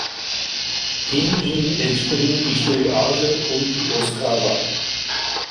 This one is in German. In ihm entspringen die Stille Adler und die Oskava.